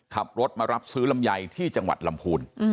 ขับรถมารับซื้อลำไยที่จังหวัดลำพูน